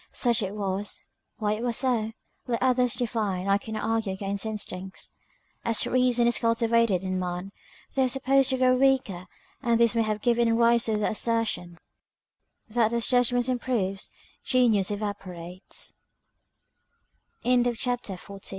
Such it was why it was so, let others define, I cannot argue against instincts. As reason is cultivated in man, they are supposed to grow weaker, and this may have given rise to the assertion, "That as judgment improves, genius ev